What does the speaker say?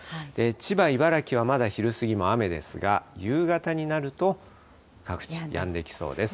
千葉、茨城はまだ昼過ぎも雨ですが、夕方になると各地、やんできそうです。